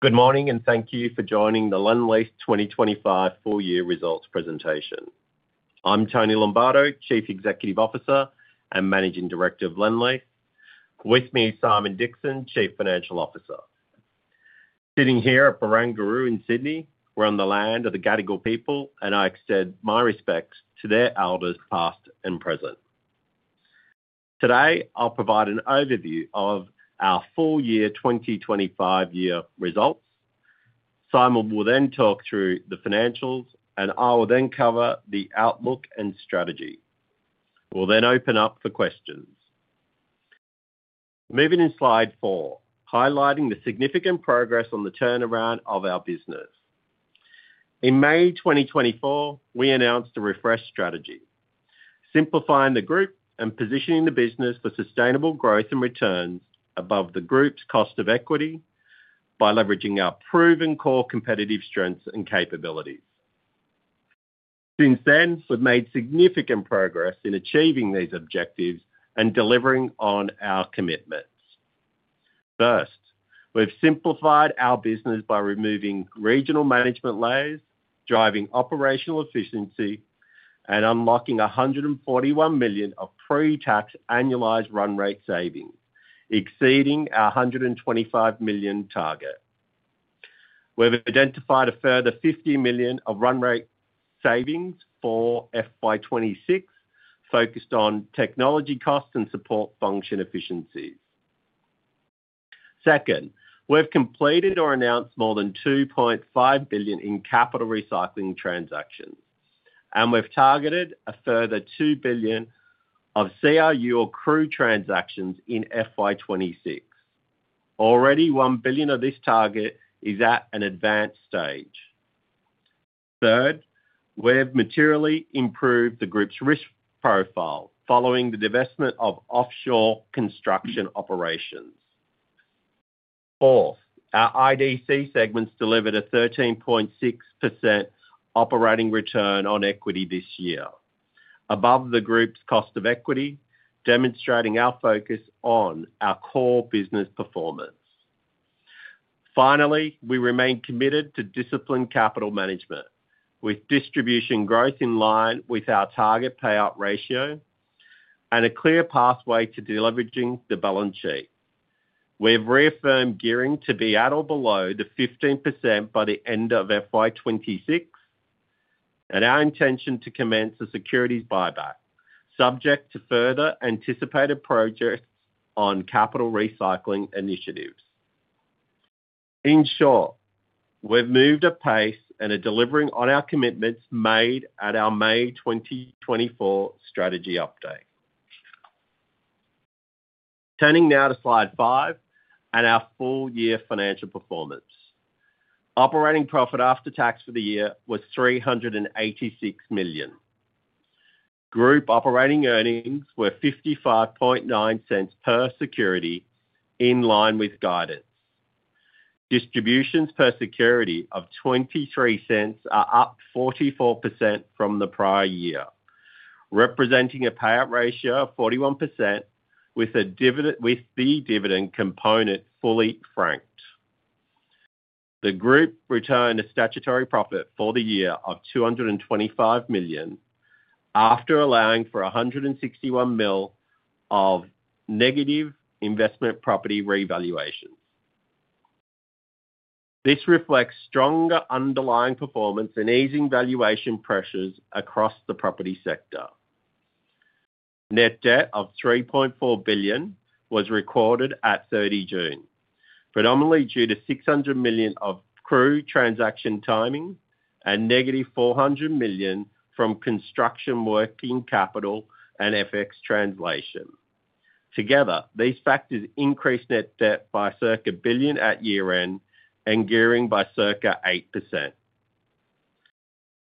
Good morning and thank you for joining the Lendlease 2025 full-year results presentation. I'm Tony Lombardo, Chief Executive Officer and Managing Director of Lendlease. With me, Simon Dixon, Chief Financial Officer. Sitting here at Barangaroo in Sydney, we're on the land of the Gadigal people, and I extend my respects to their elders, past and present. Today, I'll provide an overview of our full-year 2025 results. Simon will then talk through the financials, and I will then cover the outlook and strategy. We'll then open up for questions. Moving to slide four, highlighting the significant progress on the turnaround of our business. In May 2024, we announced a refreshed strategy, simplifying the group and positioning the business for sustainable growth and returns above the group's cost of equity by leveraging our proven core competitive strengths and capabilities. Since then, we've made significant progress in achieving these objectives and delivering on our commitments. First, we've simplified our business by removing regional management layers, driving operational efficiency, and unlocking 141 million of pre-tax annualized run rate savings, exceeding our 125 million target. We've identified a further 50 million of run rate savings for FY 2026, focused on technology costs and support function efficiencies. Second, we've completed or announced more than 2.5 billion in capital recycling transactions, and we've targeted a further 2 billion of CRU transactions in FY 2026. Already, 1 billion of this target is at an advanced stage. Third, we've materially improved the group's risk profile following the divestment of offshore construction operations. Fourth, our IDC segments delivered a 13.6% operating return on equity this year, above the group's cost of equity, demonstrating our focus on our core business performance. Finally, we remain committed to disciplined capital management, with distribution growth in line with our target payout ratio and a clear pathway to delivering the balance sheet. We've reaffirmed gearing to be at or below 15% by the end of FY 2026, and our intention to commence a securities buyback, subject to further anticipated projects on capital recycling initiatives. In short, we've moved at pace and are delivering on our commitments made at our May 2024 strategy update. Turning now to slide five and our full-year financial performance. Operating profit after tax for the year was 386 million. Group operating earnings were 0.559 per security, in line with guidance. Distributions per security of 0.23 are up 44% from the prior year, representing a payout ratio of 41% with the dividend component fully franked. The group returned a statutory profit for the year of 225 million after allowing for 161 million of negative investment property revaluation. This reflects stronger underlying performance and easing valuation pressures across the property sector. Net debt of 3.4 billion was recorded at 30 June, predominantly due to 600 million of CRU transaction timing and negative 400 million from construction working capital and FX translation. Together, these factors increase net debt by circa 1 billion at year end and gearing by circa 8%.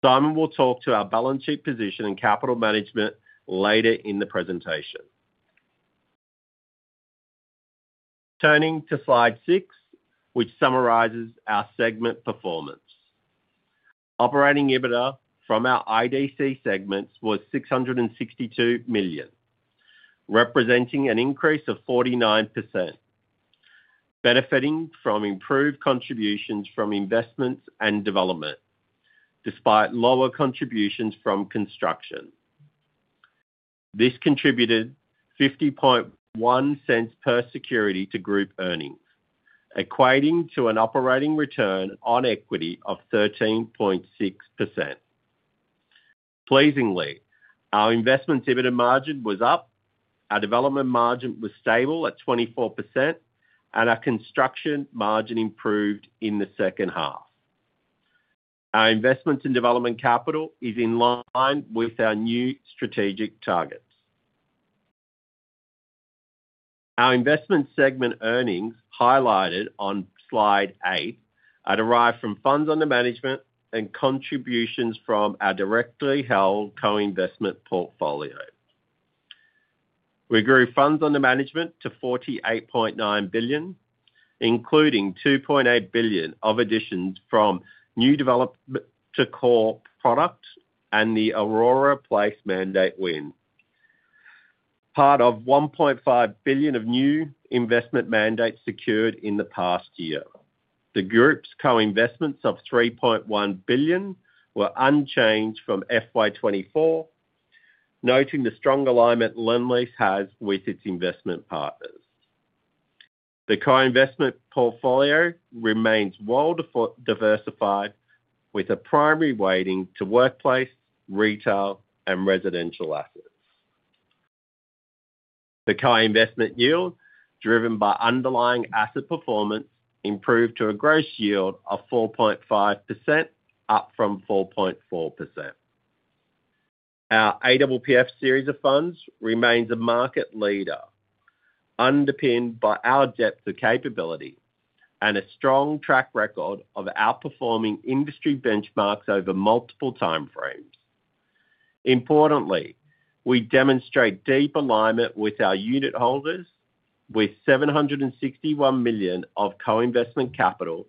Simon will talk to our balance sheet position and capital management later in the presentation. Turning to slide six, which summarizes our segment performance. Operating EBITDA from our IDC segments was 662 million, representing an increase of 49%, benefiting from improved contributions from investments and development, despite lower contributions from construction. This contributed [50.1] per security to group earnings, equating to an operating return on equity of 13.6%. Pleasingly, our investment EBITDA margin was up, our development margin was stable at 24%, and our construction margin improved in the second half. Our investment in development capital is in line with our new strategic targets. Our investment segment earnings highlighted on slide eight are derived from funds under management and contributions from our directly held co-investment portfolio. We grew funds under management to 48.9 billion, including 2.8 billion of additions from new development to core product and the Aurora Place mandate win, part of 1.5 billion of new investment mandates secured in the past year. The group's co-investments of 3.1 billion were unchanged from FY 2024, noting the strong alignment Lendlease has with its investment partners. The co-investment portfolio remains well diversified, with a primary weighting to workplace, retail, and residential assets. The co-investment yield, driven by underlying asset performance, improved to a gross yield of 4.5%, up from 4.4%. Our AWPF series of funds remains a market leader, underpinned by our depth of capability and a strong track record of outperforming industry benchmarks over multiple timeframes. Importantly, we demonstrate deep alignment with our unit holders, with 761 million of co-investment capital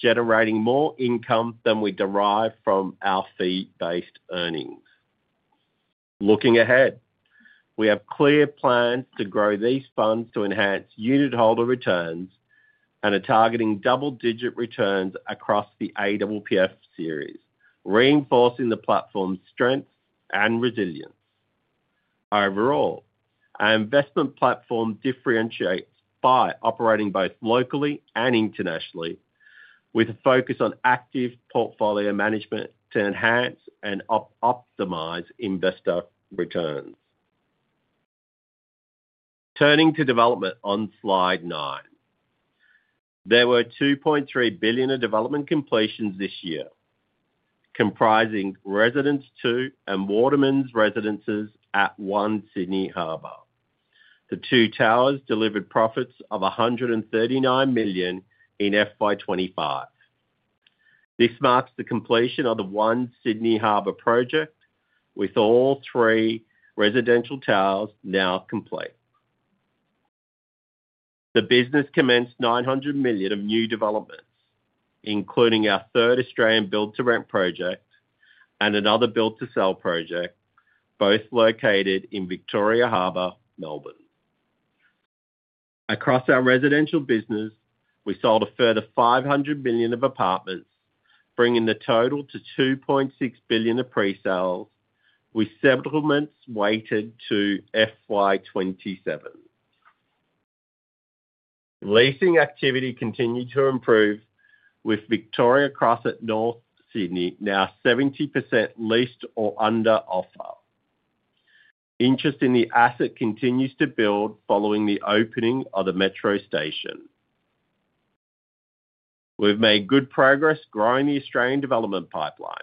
generating more income than we derive from our fee-based earnings. Looking ahead, we have clear plans to grow these funds to enhance unit holder returns and are targeting double-digit returns across the AWPF series, reinforcing the platform's strength and resilience. Overall, our investment platform differentiates by operating both locally and internationally, with a focus on active portfolio management to enhance and optimize investor returns. Turning to development on slide nine, there were 2.3 billion of development completions this year, comprising Residence Two and Waterman's Residences at One Sydney Harbour. The two towers delivered profits of 139 million in FY 2025. This marks the completion of the One Sydney Harbour project, with all three residential towers now complete. The business commenced 900 million of new development, including our third Australian build-to-rent project and another build-to-sell project, both located in Victoria Harbour, Melbourne. Across our residential business, we sold a further 500 million of apartments, bringing the total to 2.6 billion of pre-sales, with settlements weighted to FY 2027. Leasing activity continued to improve, with Victoria Cross at North Sydney now 70% leased or under offer. Interest in the asset continues to build following the opening of the Metro station. We've made good progress growing the Australian development pipeline,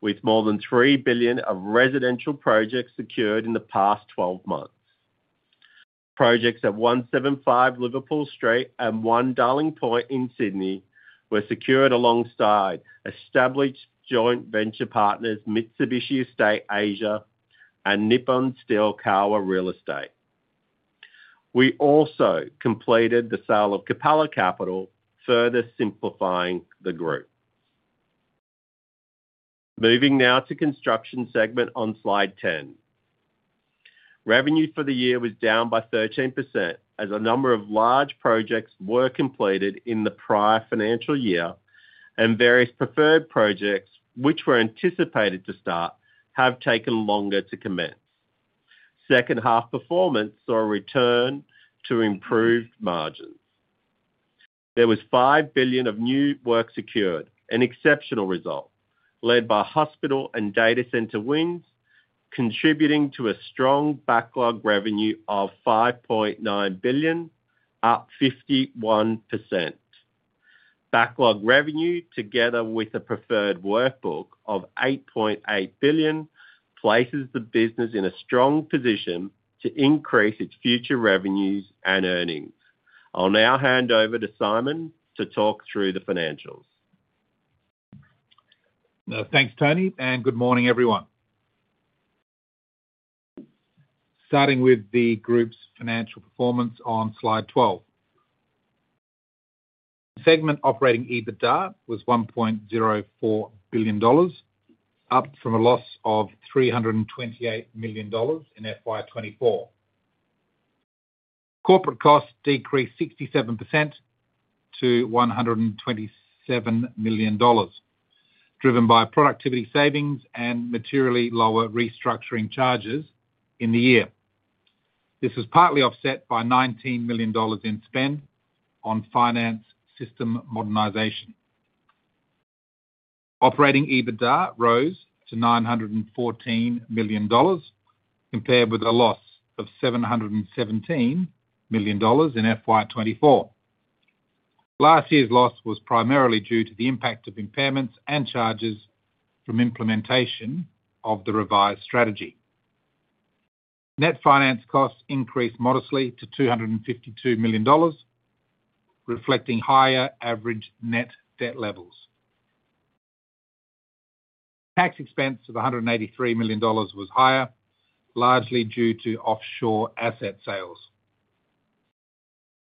with more than 3 billion of residential projects secured in the past 12 months. Projects at 175 Liverpool Street and One Darling Point in Sydney were secured alongside established joint venture partners Mitsubishi Estate Asia and Nippon Steel Kowa Real Estate. We also completed the sale of Capella Capital, further simplifying the group. Moving now to the construction segment on slide ten. Revenue for the year was down by 13% as a number of large projects were completed in the prior financial year, and various preferred projects, which were anticipated to start, have taken longer to commence. Second half performance saw a return to improved margins. There was 5 billion of new work secured, an exceptional result led by hospital and data centre wings, contributing to a strong backlog revenue of 5.9 billion, up 51%. Backlog revenue, together with a preferred workbook of 8.8 billion, places the business in a strong position to increase its future revenues and earnings. I'll now hand over to Simon to talk through the financials. Thanks, Tony, and good morning, everyone. Starting with the group's financial performance on slide 12. The segment operating EBITDA was 1.04 billion dollars, up from a loss of 328 million dollars in FY23. Corporate costs decreased 67% to 127 million dollars, driven by productivity savings and materially lower restructuring charges in the year. This was partly offset by 19 million dollars in spend on finance system modernization. Operating EBITDA rose to 914 million dollars, compared with a loss of 717 million dollars in FY 2024. Last year's loss was primarily due to the impact of impairments and charges from implementation of the revised strategy. Net finance costs increased modestly to 252 million dollars, reflecting higher average net debt levels. Tax expense of 183 million dollars was higher, largely due to offshore asset sales.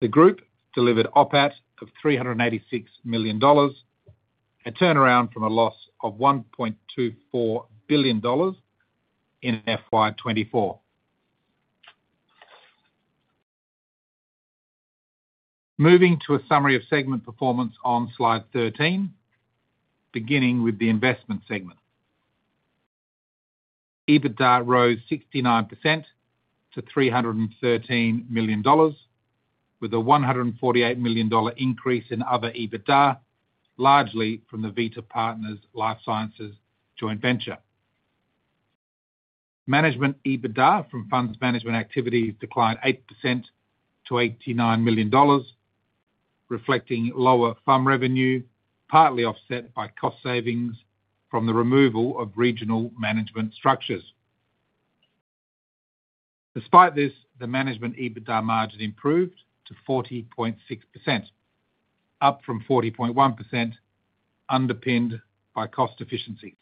The group delivered OPAT of 386 million dollars, a turnaround from a loss of 1.24 billion dollars in FY 2024. Moving to a summary of segment performance on slide 13, beginning with the investment segment. EBITDA rose 69% to 313 million dollars, with a 148 million dollar increase in other EBITDA, largely from the Vita Partners Life Sciences joint venture. Management EBITDA from funds management activity declined 8% to 89 million dollars, reflecting lower fund revenue, partly offset by cost savings from the removal of regional management structures. Despite this, the management EBITDA margin improved to 40.6%, up from 40.1%, underpinned by cost efficiencies.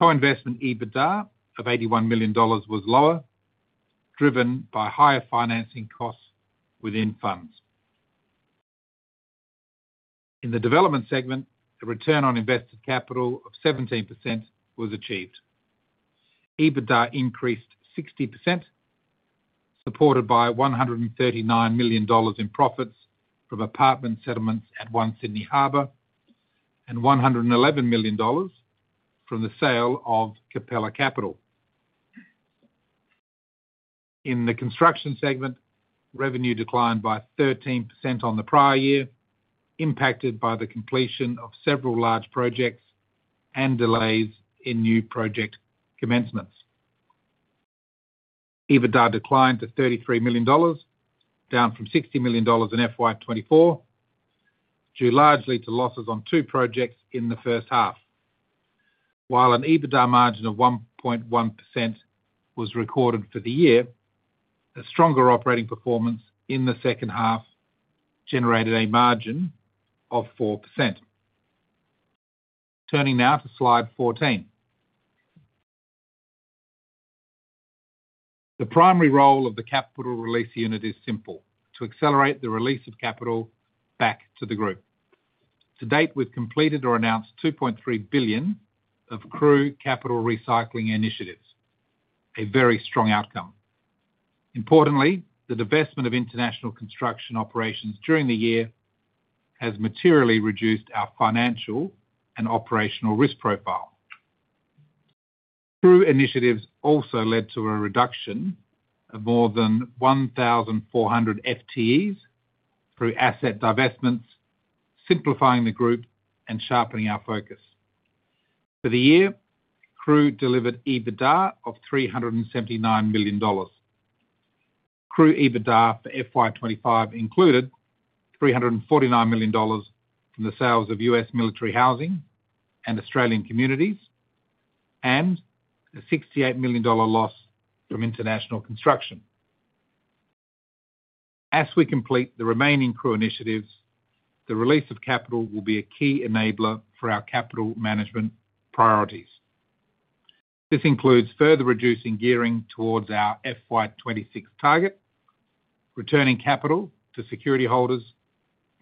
Co-investment EBITDA of 81 million dollars was lower, driven by higher financing costs within funds. In the development segment, a return on invested capital of 17% was achieved. EBITDA increased 60%, supported by 139 million dollars in profits from apartment settlements at One Sydney Harbour and 111 million dollars from the sale of Capella Capital. In the construction segment, revenue declined by 13% on the prior year, impacted by the completion of several large projects and delays in new project commencements. EBITDA declined to 33 million dollars, down from 60 million dollars in FY 2024, due largely to losses on two projects in the first half. While an EBITDA margin of 1.1% was recorded for the year, a stronger operating performance in the second half generated a margin of 4%. Turning now to slide 14. The primary role of the capital release unit is simple: to accelerate the release of capital back to the group. To date, we've completed or announced 2.3 billion of CRU capital recycling initiatives, a very strong outcome. Importantly, the divestment of international construction operations during the year has materially reduced our financial and operational risk profile. CRU initiatives also led to a reduction of more than 1,400 FTEs through asset divestments, simplifying the group and sharpening our focus. For the year, CRU delivered EBITDA of 379 million dollars. CRU EBITDA for FY 2025 included 349 million dollars from the sales of U.S. military housing and Australian communities, and a AUD 68 million loss from international construction. As we complete the remaining CRU initiatives, the release of capital will be a key enabler for our capital management priorities. This includes further reducing gearing towards our FY 2026 target, returning capital to security holders,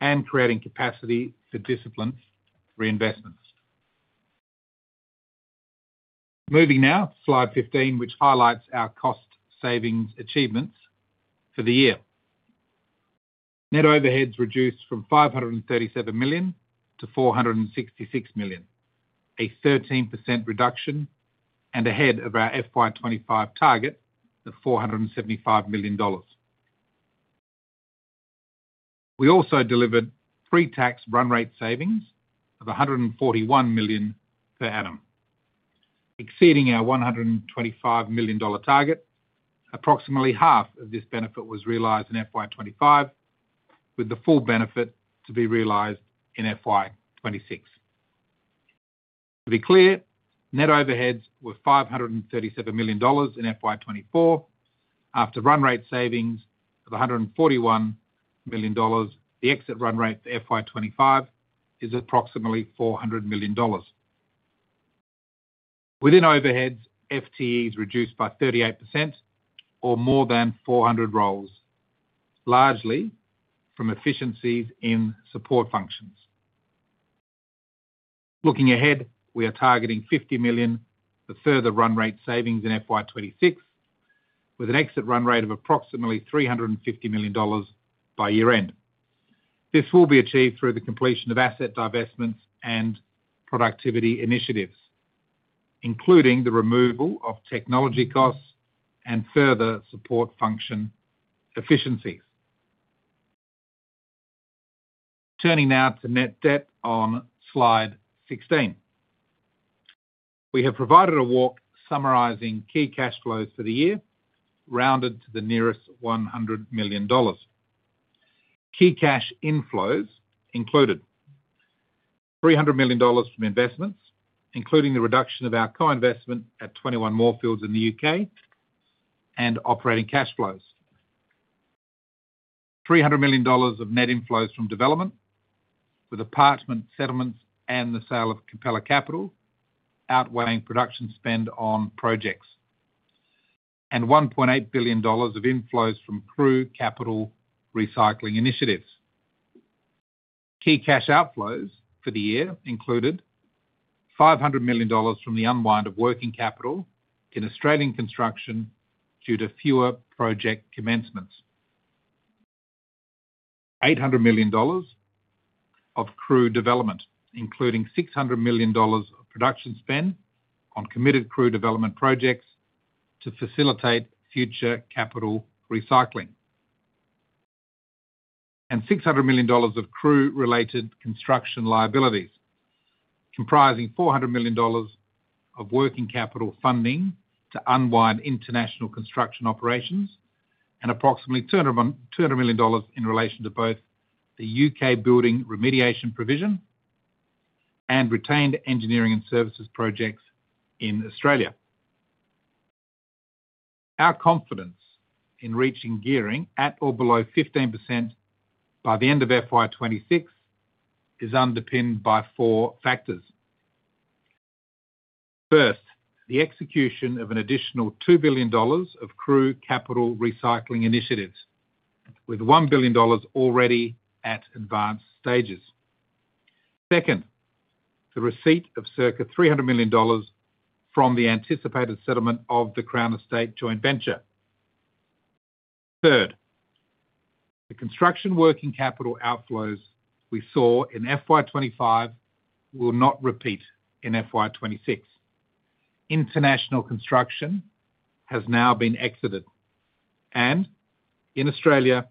and creating capacity for disciplined reinvestments. Moving now to slide 15, which highlights our cost savings achievements for the year. Net overheads reduced from 537 million to 466 million, a 13% reduction and ahead of our FY 2025 target of AUD 475 million. We also delivered pre-tax run rate savings of 141 million per annum, exceeding our 125 million dollar target. Approximately half of this benefit was realized in FY 2025, with the full benefit to be realized in FY 2026. To be clear, net overheads were 537 million dollars in FY 2024, after run rate savings of 141 million dollars. The exit run rate for FY 2025 is approximately 400 million dollars. Within overheads, FTEs reduced by 38% or more than 400 roles, largely from efficiencies in support functions. Looking ahead, we are targeting 50 million for further run rate savings in FY 2026, with an exit run rate of approximately 350 million dollars by year end. This will be achieved through the completion of asset divestments and productivity initiatives, including the removal of technology costs and further support function efficiencies. Turning now to net debt on slide 16. We have provided a walk summarizing key cash flows for the year, rounded to the nearest 100 million dollars. Key cash inflows included 300 million dollars from investments, including the reduction of our co-investment at 21 Moorfields in the U.K., and operating cash flows. 300 million dollars of net inflows from development, with apartment settlements and the sale of Capella Capital outweighing production spend on projects, and 1.8 billion dollars of inflows from CRU capital recycling initiatives. Key cash outflows for the year included 500 million dollars from the unwind of working capital in Australian construction due to fewer project commencements, 800 million dollars of CRU development, including 600 million dollars of production spend on committed CRU development projects to facilitate future capital recycling, and 600 million dollars of CRU-related construction liabilities, comprising 400 million dollars of working capital funding to unwind international construction operations and approximately 200 million dollars in relation to both the U.K. building remediation provision and retained engineering and services projects in Australia. Our confidence in reaching gearing at or below 15% by the end of FY 2026 is underpinned by four factors. First, the execution of an additional 2 billion dollars of CRU capital recycling initiatives, with 1 billion dollars already at advanced stages. Second, the receipt of circa 300 million dollars from the anticipated settlement of The Crown Estate joint venture. Third, the construction working capital outflows we saw in FY 2025 will not repeat in FY 2026. International construction has now been exited, and in Australia,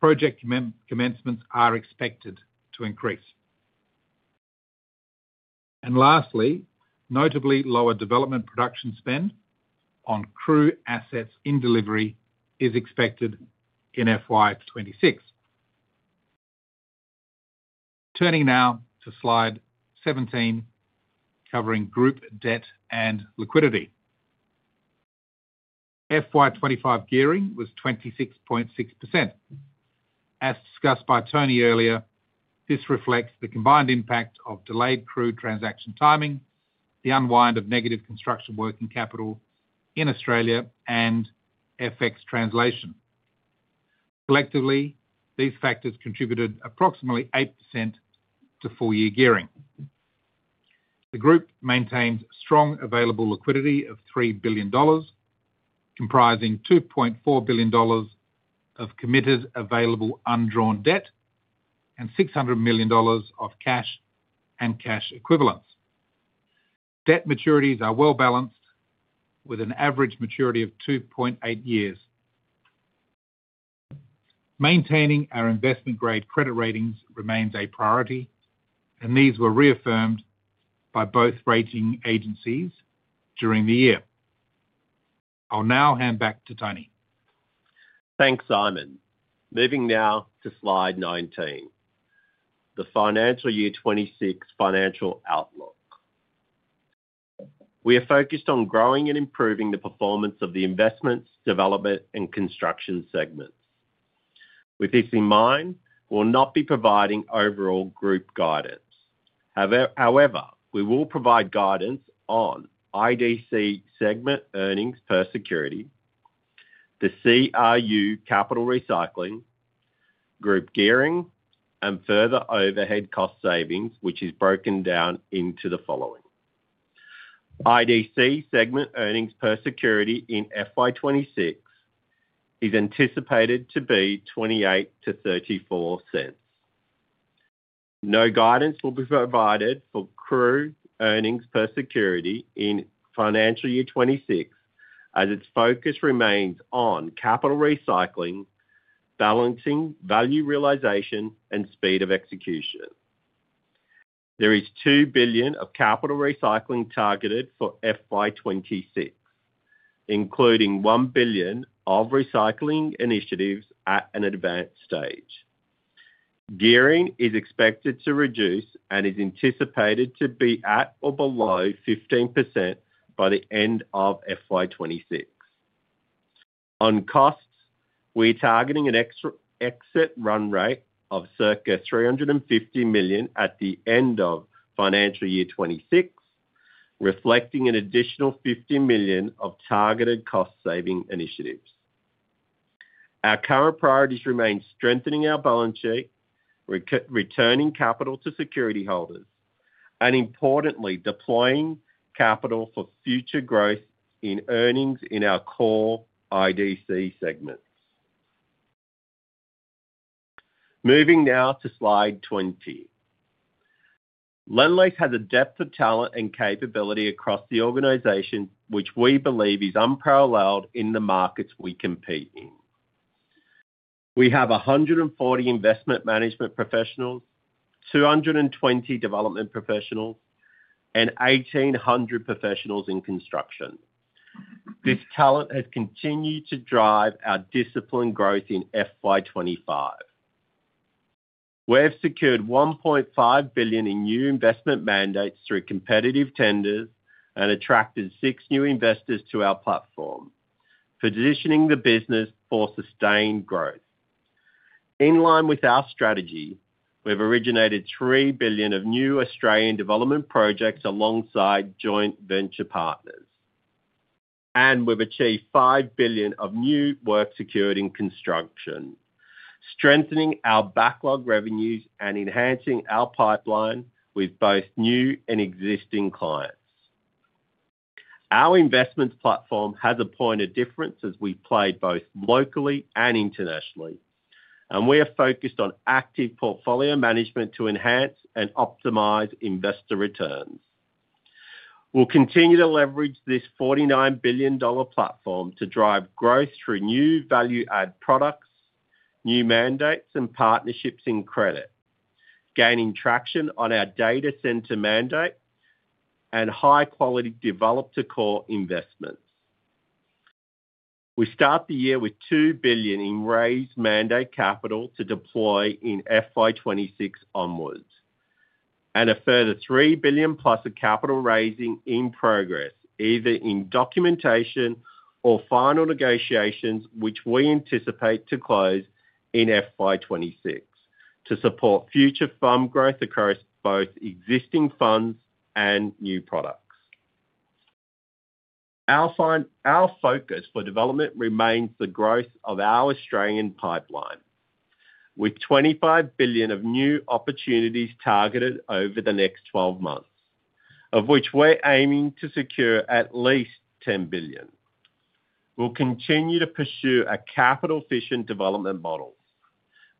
project commencements are expected to increase. Lastly, notably lower development production spend on CRU assets in delivery is expected in FY 2026. Turning now to slide 17, covering group debt and liquidity. FY 2025 gearing was 26.6%. As discussed by Tony earlier, this reflects the combined impact of delayed CRU transaction timing, the unwind of negative construction working capital in Australia, and FX translation. Collectively, these factors contributed approximately 8% to full-year gearing. The group maintains strong available liquidity of 3 billion dollars, comprising 2.4 billion dollars of committed available undrawn debt and 600 million dollars of cash and cash equivalents. Debt maturities are well balanced, with an average maturity of 2.8 years. Maintaining our investment-grade credit ratings remains a priority, and these were reaffirmed by both rating agencies during the year. I'll now hand back to Tony. Thanks, Simon. Moving now to slide 19, the financial year 2026 financial outlook. We are focused on growing and improving the performance of the Investments, Development, and Construction segments. With this in mind, we'll not be providing overall group guidance. However, we will provide guidance on IDC segment earnings per security, the CRU capital recycling, group gearing, and further overhead cost savings, which is broken down into the following. IDC segment earnings per security in FY 2026 is anticipated to be 0.28 to 0.34. No guidance will be provided for CRU earnings per security in financial year 2026, as its focus remains on capital recycling, balancing value realization, and speed of execution. There is 2 billion of capital recycling targeted for FY 2026, including 1 billion of recycling initiatives at an advanced stage. Gearing is expected to reduce and is anticipated to be at or below 15% by the end of FY 2026. On costs, we are targeting an exit run rate of circa 350 million at the end of financial year 2026, reflecting an additional 50 million of targeted cost-saving initiatives. Our current priorities remain strengthening our balance sheet, returning capital to security holders, and importantly, deploying capital for future growth in earnings in our core IDC segment. Moving now to slide 20. Lendlease has a depth of talent and capability across the organization, which we believe is unparalleled in the markets we compete in. We have 140 investment management professionals, 220 development professionals, and 1,800 professionals in construction. This talent has continued to drive our disciplined growth in FY 2025. We've secured 1.5 billion in new investment mandates through competitive tenders and attracted six new investors to our platform, positioning the business for sustained growth. In line with our strategy, we've originated 3 billion of new Australian development projects alongside joint venture partners, and we've achieved 5 billion of new work secured in construction, strengthening our backlog revenues and enhancing our pipeline with both new and existing clients. Our investments platform has a point of difference as we play both locally and internationally, and we are focused on active portfolio management to enhance and optimize investor returns. We'll continue to leverage this 49 billion dollar platform to drive growth through new value-added products, new mandates, and partnerships in credit, gaining traction on our data centre mandate and high-quality developer core investments. We start the year with 2 billion in raised mandate capital to deploy in FY 2026 onwards, and a further 3 billion plus of capital raising in progress, either in documentation or final negotiations, which we anticipate to close in FY 2026 to support future fund growth across both existing funds and new products. Our focus for development remains the growth of our Australian pipeline, with 25 billion of new opportunities targeted over the next 12 months, of which we're aiming to secure at least 10 billion. We'll continue to pursue a capital-efficient development model,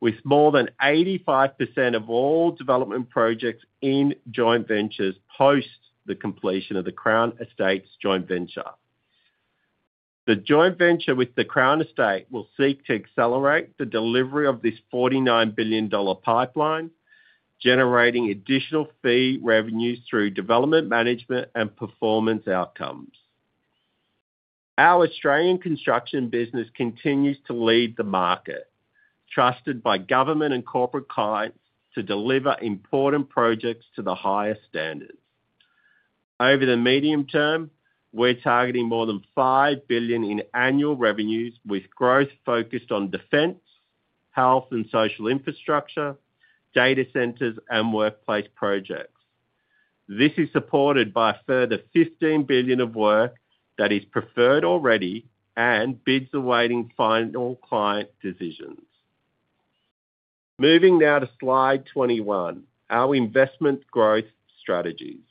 with more than 85% of all development projects in joint ventures post the completion of The Crown Estate's joint venture. The joint venture with The Crown Estate will seek to accelerate the delivery of this 49 billion dollar pipeline, generating additional fee revenues through development management and performance outcomes. Our Australian construction business continues to lead the market, trusted by government and corporate clients to deliver important projects to the highest standards. Over the medium term, we're targeting more than 5 billion in annual revenues, with growth focused on defense, health and social infrastructure, data centers, and workplace projects. This is supported by a further 15 billion of work that is preferred already and bids awaiting final client decisions. Moving now to slide 21, our investment growth strategies.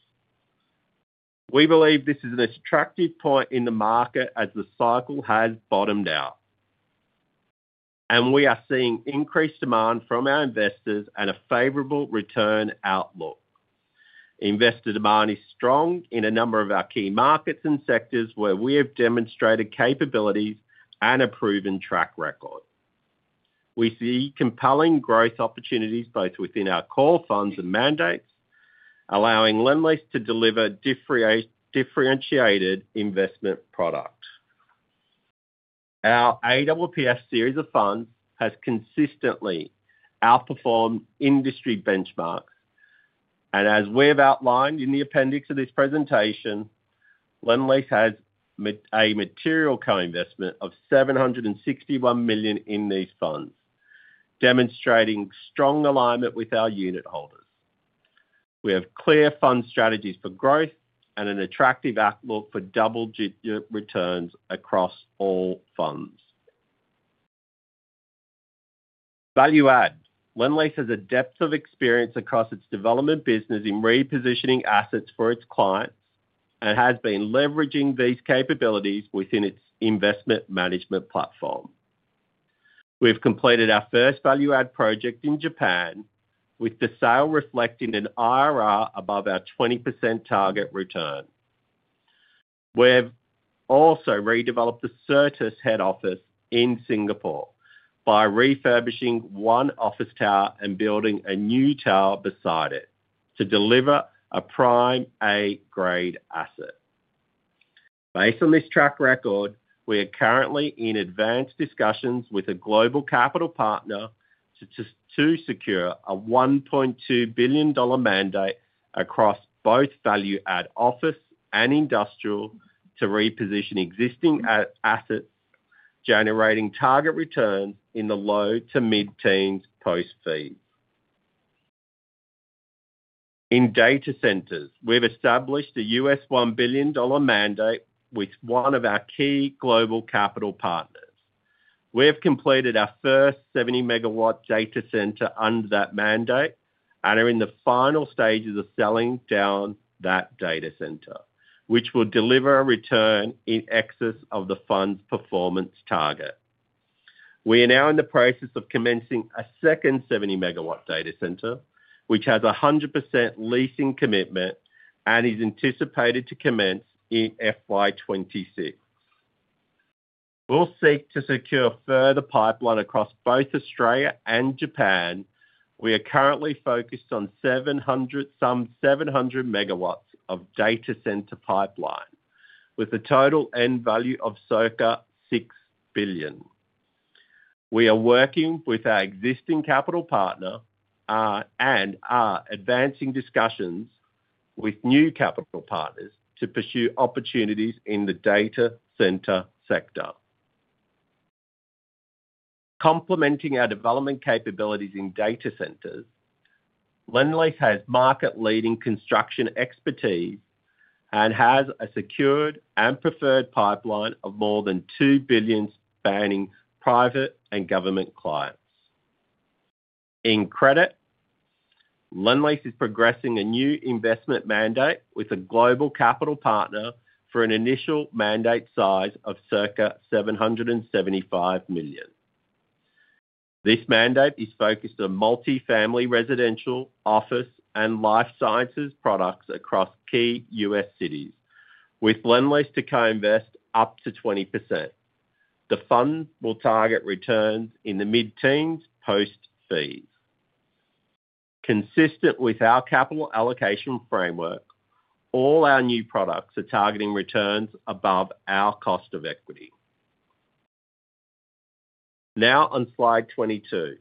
We believe this is an attractive point in the market as the cycle has bottomed out, and we are seeing increased demand from our investors and a favorable return outlook. Investor demand is strong in a number of our key markets and sectors where we have demonstrated capabilities and a proven track record. We see compelling growth opportunities both within our core funds and mandates, allowing Lendlease to deliver differentiated investment products. Our AWPF series of funds has consistently outperformed industry benchmarks, and as we have outlined in the appendix of this presentation, Lendlease has a material co-investment of 761 million in these funds, demonstrating strong alignment with our unit holders. We have clear fund strategies for growth and an attractive outlook for double-digit returns across all funds. Value-add, Lendlease has a depth of experience across its development business in repositioning assets for its clients and has been leveraging these capabilities within its investment management platform. We've completed our first value-add project in Japan, with the sale reflecting an IRR above our 20% target return. We've also redeveloped the Citrus head office in Singapore by refurbishing one office tower and building a new tower beside it to deliver a Prime A grade asset. Based on this track record, we are currently in advanced discussions with a global capital partner to secure a 1.2 billion dollar mandate across both value-add office and industrial to reposition existing assets, generating target returns in the low to mid-teens post-fee. In data centers, we've established a U.S. $1 billion mandate with one of our key global capital partners. We've completed our first 70 MW data center under that mandate and are in the final stages of selling down that data center, which will deliver a return in excess of the fund's performance target. We are now in the process of commencing a second 70 MW data center, which has a 100% leasing commitment and is anticipated to commence in FY 2026. We'll seek to secure a further pipeline across both Australia and Japan. We are currently focused on some 700 MG of data center pipeline, with a total end value of circa 6 billion. We are working with our existing capital partner and are advancing discussions with new capital partners to pursue opportunities in the data center sector. Complementing our development capabilities in data centers, Lendlease has market-leading construction expertise and has a secured and preferred pipeline of more than 2 billion spanning private and government clients. In credit, Lendlease is progressing a new investment mandate with a global capital partner for an initial mandate size of circa 775 million. This mandate is focused on multifamily residential, office, and life sciences products across key U.S. cities, with Lendlease to co-invest up to 20%. The fund will target returns in the mid-teens post-fees. Consistent with our capital allocation framework, all our new products are targeting returns above our cost of equity. Now on slide 22,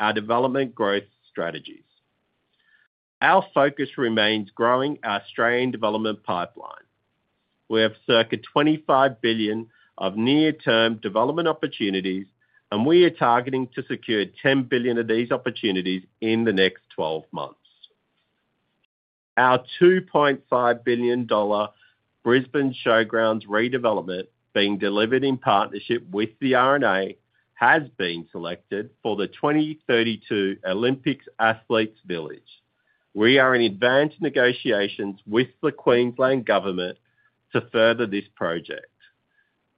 our development growth strategies. Our focus remains growing our Australian development pipeline. We have circa 25 billion of near-term development opportunities, and we are targeting to secure 10 billion of these opportunities in the next 12 months. Our 2.5 billion dollar Brisbane showgrounds redevelopment, being delivered in partnership with The R&A, has been selected for the 2032 Olympics Athletes Village. We are in advanced negotiations with the Queensland government to further this project.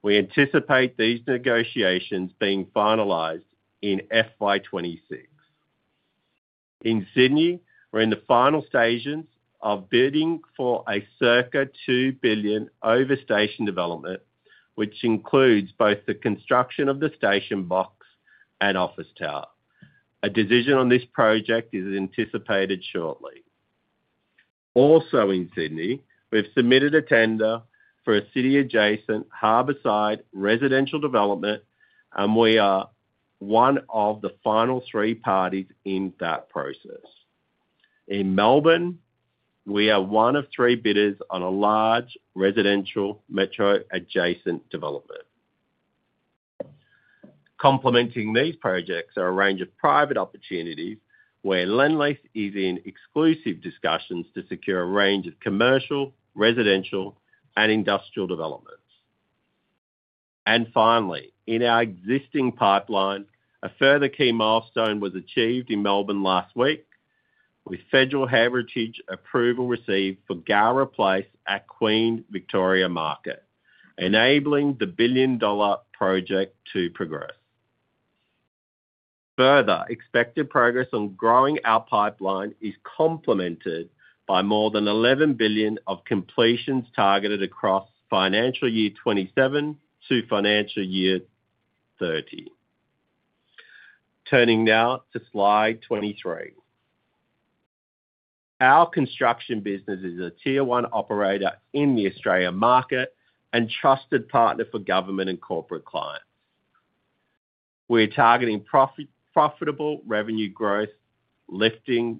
We anticipate these negotiations being finalized in FY 2026. In Sydney, we're in the final stages of bidding for a circa 2 billion overstation development, which includes both the construction of the station box and office tower. A decision on this project is anticipated shortly. Also in Sydney, we've submitted a tender for a city-adjacent harborside residential development, and we are one of the final three parties in that process. In Melbourne, we are one of three bidders on a large residential metro-adjacent development. Complementing these projects are a range of private opportunities where Lendlease is in exclusive discussions to secure a range of commercial, residential, and industrial developments. Finally, in our existing pipeline, a further key milestone was achieved in Melbourne last week, with federal heritage approval received for Gurrowa Place at Queen Victoria Market, enabling the billion-dollar project to progress. Further, expected progress on growing our pipeline is complemented by more than 11 billion of completions targeted across financial year 2027 to financial year 2030. Turning now to slide 23. Our construction business is a tier one operator in the Australian market and trusted partner for government and corporate clients. We are targeting profitable revenue growth, lifting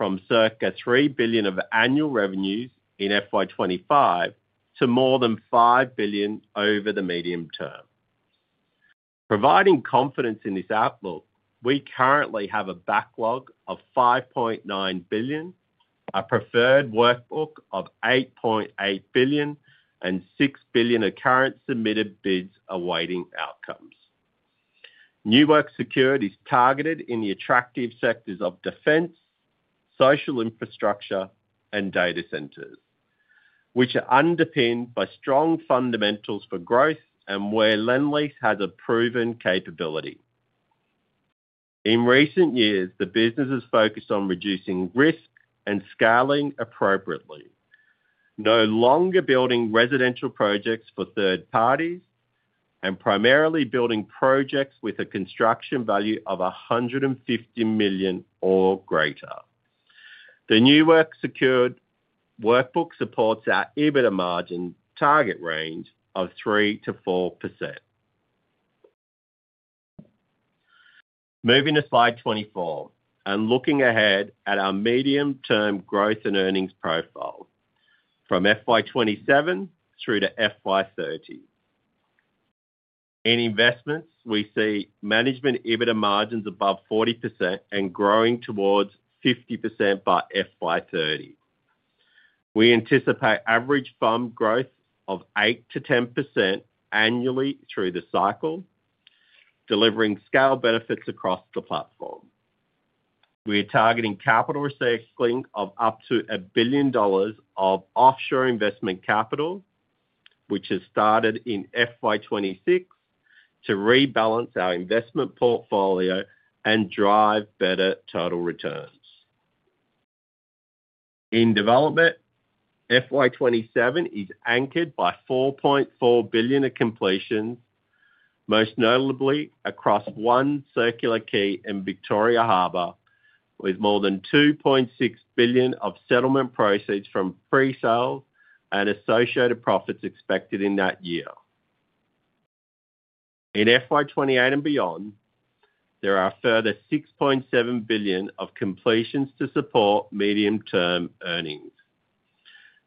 from circa 3 billion of annual revenues in FY 2025 to more than 5 billion over the medium term. Providing confidence in this outlook, we currently have a backlog of 5.9 billion, a preferred workbook of 8.8 billion, and 6 billion of current submitted bids awaiting outcomes. New work security is targeted in the attractive sectors of defense, social infrastructure, and data centers, which are underpinned by strong fundamentals for growth and where Lendlease has a proven capability. In recent years, the business has focused on reducing risk and scaling appropriately, no longer building residential projects for third parties and primarily building projects with a construction value of 150 million or greater. The new work secured workbook supports our EBITDA margin target range of 3%-4%. Moving to slide 24 and looking ahead at our medium-term growth and earnings profile from FY 2027 through to FY 2030. In investments, we see management EBITDA margins above 40% and growing towards 50% by FY 2030. We anticipate average fund growth of 8%-10% annually through the cycle, delivering scale benefits across the platform. We are targeting capital recycling of up to 1 billion dollars of offshore investment capital, which has started in FY 2026 to rebalance our investment portfolio and drive better total returns. In development, FY 2027 is anchored by 4.4 billion of completions, most notably across One Circular Quay and Victoria Harbour, with more than 2.6 billion of settlement proceeds from pre-sale and associated profits expected in that year. In FY 2028 and beyond, there are a further 6.7 billion of completions to support medium-term earnings.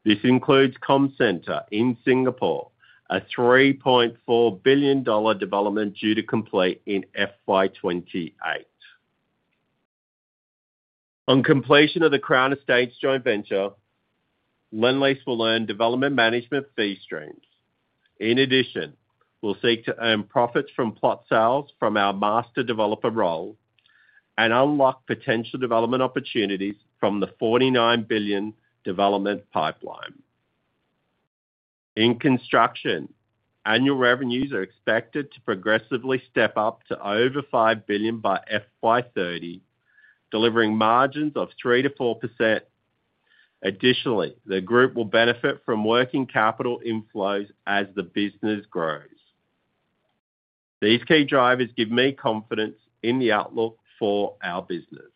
This includes Comm Centre in Singapore, a 3.4 billion dollar development due to complete in FY 2028. On completion of The Crown Estate joint venture, Lendlease will earn development management fee streams. In addition, we'll seek to earn profits from plot sales from our master developer role and unlock potential development opportunities from the 49 billion development pipeline. In construction, annual revenues are expected to progressively step up to over 5 billion by FY 2030, delivering margins of 3%-4%. Additionally, the group will benefit from working capital inflows as the business grows. These key drivers give me confidence in the outlook for our business.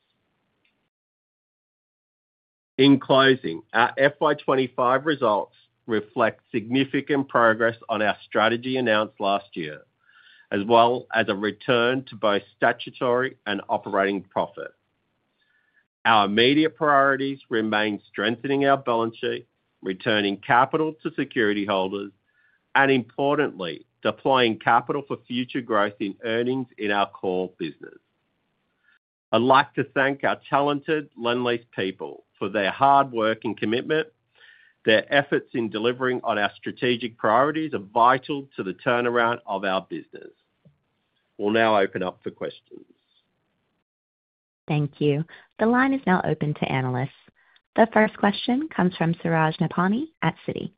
In closing, our FY 2025 results reflect significant progress on our strategy announced last year, as well as a return to both statutory and operating profit. Our immediate priorities remain strengthening our balance sheet, returning capital to security holders, and importantly, deploying capital for future growth in earnings in our core business. I'd like to thank our talented Lendlease people for their hard work and commitment. Their efforts in delivering on our strategic priorities are vital to the turnaround of our business. We'll now open up for questions. Thank you. The line is now open to analysts. The first question comes from Suraj Nebhani at Citi.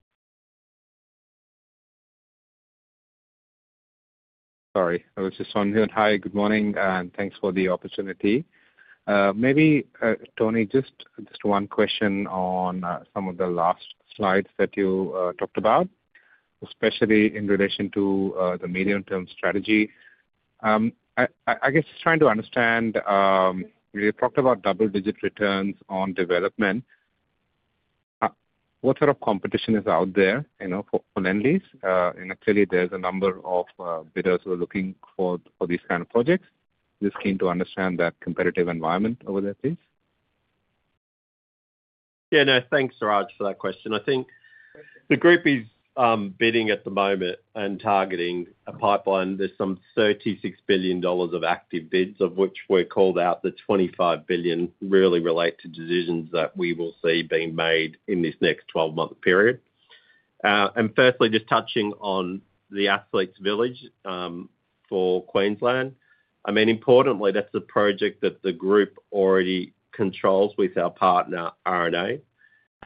Sorry, I was just on here. Hi, good morning, and thanks for the opportunity. Maybe, Tony, just one question on some of the last slides that you talked about, especially in relation to the medium-term strategy. I guess just trying to understand, you talked about double-digit returns on development. What sort of competition is out there, you know, for Lendlease? Clearly, there's a number of bidders who are looking for these kind of projects. Just keen to understand that competitive environment over there, please. Yeah, no, thanks, Suraj, for that question. I think the group is bidding at the moment and targeting a pipeline. There's some 36 billion dollars of active bids, of which we've called out the 25 billion really relate to decisions that we will see being made in this next 12-month period. Firstly, just touching on the Athletes Village for Queensland. Importantly, that's a project that the group already controls with our partner, The R&A,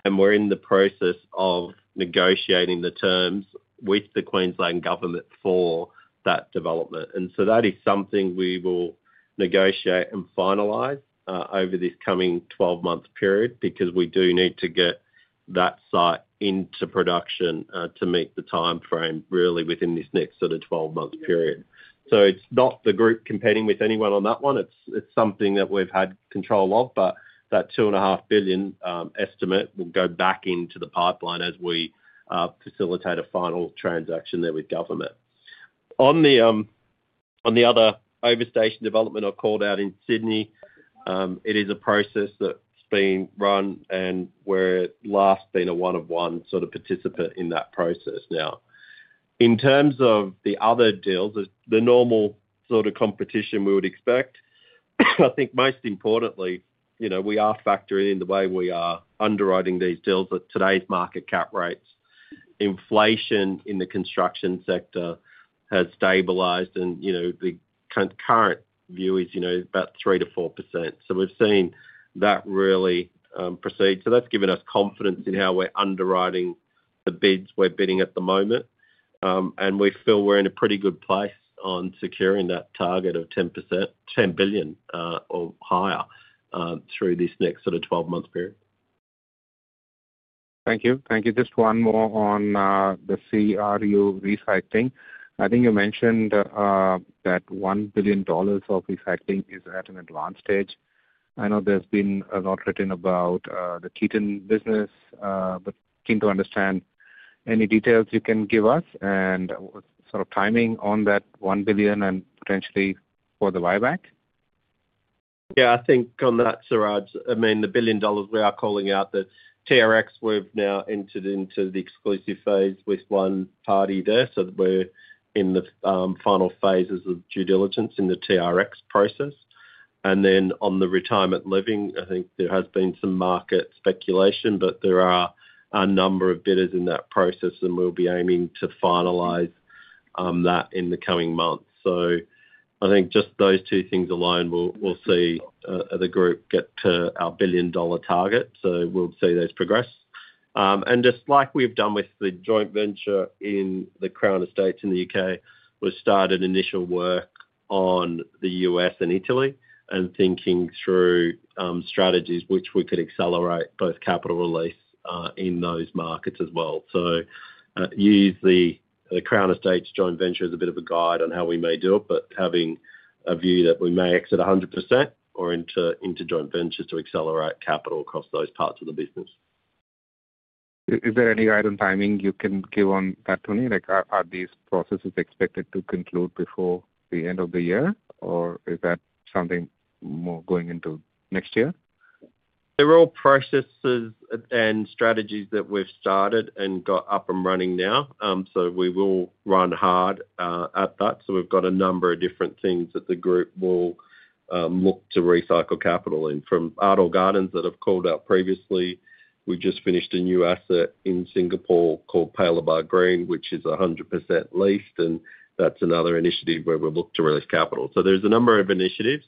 and we're in the process of negotiating the terms with the Queensland government for that development. That is something we will negotiate and finalize over this coming 12-month period because we do need to get that site into production to meet the timeframe, really, within this next sort of 12-month period. It's not the group competing with anyone on that one. It's something that we've had control of, but that 2.5 billion estimate will go back into the pipeline as we facilitate a final transaction there with government. On the other overstation development I called out in Sydney, it is a process that's being run, and we're at last been a one-of-one sort of participant in that process now. In terms of the other deals, the normal sort of competition we would expect, I think most importantly, we are factoring in the way we are underwriting these deals at today's market cap rates. Inflation in the construction sector has stabilized, and the current view is about 3%-4%. We've seen that really proceed. That's given us confidence in how we're underwriting the bids we're bidding at the moment. We feel we're in a pretty good place on securing that target of 10%, 10 billion or higher through this next sort of 12-month period. Thank you. Thank you. Just one more on the CRU recycling. I think you mentioned that 1 billion dollars of recycling is at an advanced stage. I know there's been a lot written about the Keaton business, but keen to understand any details you can give us and sort of timing on that 1 billion and potentially for the buyback. Yeah, I think on that, Suraj, I mean, the 1 billion dollars we are calling out, the TRX, we've now entered into the exclusive phase with one party there. We are in the final phases of due diligence in the TRX process. On the retirement living, I think there has been some market speculation, but there are a number of bidders in that process, and we'll be aiming to finalize that in the coming months. I think just those two things alone will see the group get to our 1 billion dollar target. We'll see those progress. Just like we've done with the joint venture in The Crown Estate in the U.K., we've started initial work on the U.S. and Italy and thinking through strategies which we could accelerate both capital release in those markets as well. Use The Crown Estate joint venture as a bit of a guide on how we may do it, but having a view that we may exit 100% or enter into joint ventures to accelerate capital across those parts of the business. Is there any guidance timing you can give on that, Tony? Like, are these processes expected to conclude before the end of the year, or is that something more going into next year? There are processes and strategies that we've started and got up and running now. We will run hard at that. We've got a number of different things that the group will look to recycle capital in. From Ardor Gardens that I've called out previously, we just finished a new asset in Singapore called Paya Lebar Green, which is 100% leased, and that's another initiative where we'll look to release capital. There's a number of initiatives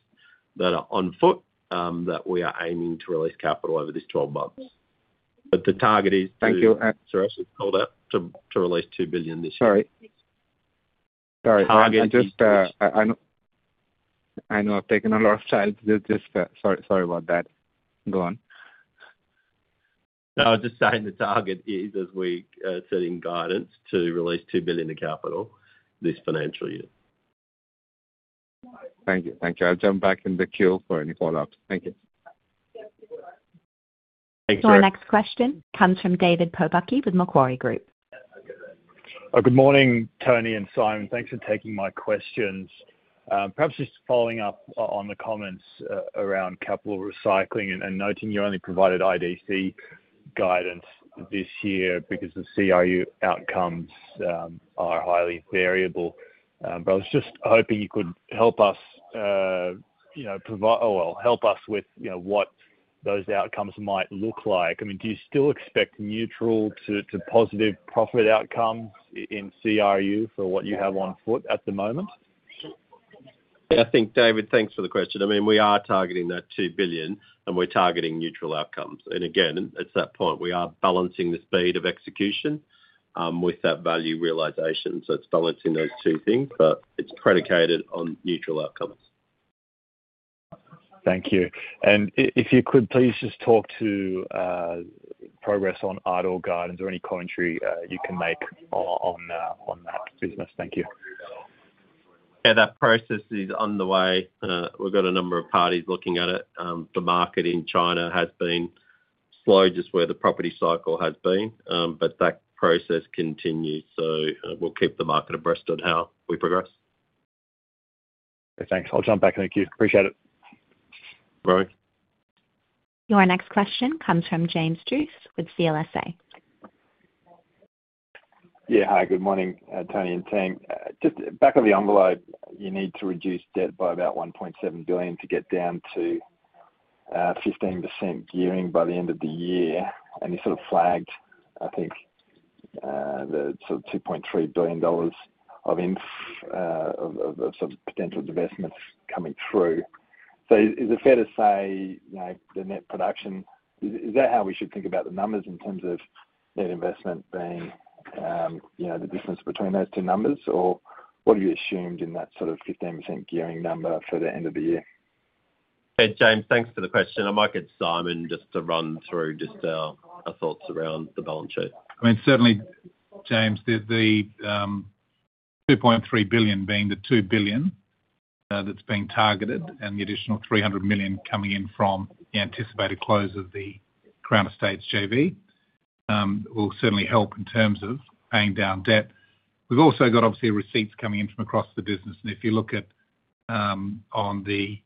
that are on foot that we are aiming to release capital over these 12 months. The target is, thank you, Suraj, called out to release 2 billion this year. Sorry. Sorry. Target, I know I've taken a lot of time. Sorry about that. Go on. No, just saying the target is, as we said in guidance, to release 2 billion of capital this financial year. Thank you. Thank you. I'll jump back in the queue for any follow-ups. Thank you. Next question comes from David Pobucky with Macquarie Group. Good morning, Tony and Simon. Thanks for taking my questions. Perhaps just following up on the comments around capital recycling and noting you only provided IDC guidance this year because the CRU outcomes are highly variable. I was just hoping you could help us provide, or help us with what those outcomes might look like. I mean, do you still expect neutral to positive profit outcomes in CRU for what you have on foot at the moment? Yeah, I think, David, thanks for the question. I mean, we are targeting that 2 billion, and we're targeting neutral outcomes. At that point, we are balancing the speed of execution with that value realization. It's balancing those two things, but it's predicated on neutral outcomes. Thank you. If you could please just talk to progress on Ardor Gardens or any commentary you can make on that business, thank you. Yeah, that process is underway. We've got a number of parties looking at it. The market in China has been slow just where the property cycle has been, but that process continues. We'll keep the market abreast on how we progress. Thanks. I'll jump back in the queue. Appreciate it. No worries. Your next question comes from James Druce with CLSA. Yeah, hi. Good morning, Tony and Simon. Just back on the envelope, you need to reduce debt by about 1.7 billion to get down to 15% gearing by the end of the year. You sort of flagged, I think, the 2.3 billion dollars of potential divestments coming through. Is it fair to say the net reduction, is that how we should think about the numbers in terms of net investment being the difference between those two numbers, or what do you assume in that 15% gearing number for the end of the year? Hey, James, thanks for the question. I might get Simon just to run through our thoughts around the balance sheet. Certainly, James, the 2.3 billion being the 2 billion that's being targeted and the additional 300 million coming in from the anticipated close The Crown Estate JV will certainly help in terms of paying down debt. We've also got, obviously, receipts coming in from across the business. If you look at on the